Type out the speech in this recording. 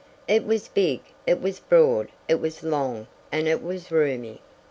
It was big, it was broad, it was long, and it was roomy!